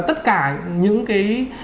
tất cả những cái